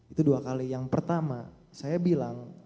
itu dua kali yang pertama saya bilang